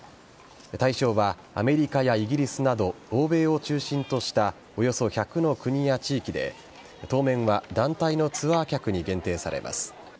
対象はアメリカやイギリスなど欧米を中心としたおよそ１００の国や地域で当面は団体のツアー客に限定されます。